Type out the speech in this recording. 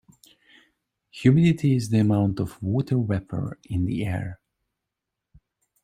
Humidity is the amount of water vapor in the air.